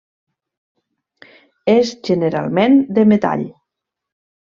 És generalment de metall.